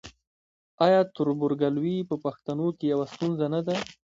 آیا تربورګلوي په پښتنو کې یوه ستونزه نه ده؟